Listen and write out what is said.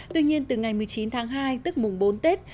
tuy nhiên từ ngày một mươi chín tháng hai tức mùng bốn tết